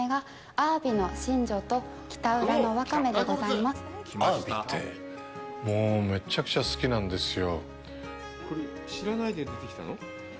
アワビって、もうめっちゃくちゃ好きなんですよ。